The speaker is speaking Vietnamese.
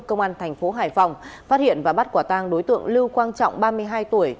công an thành phố hải phòng phát hiện và bắt quả tang đối tượng lưu quang trọng ba mươi hai tuổi